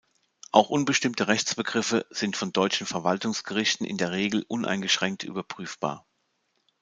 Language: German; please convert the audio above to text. Auch unbestimmte Rechtsbegriffe sind von deutschen Verwaltungsgerichten in der Regel uneingeschränkt überprüfbar.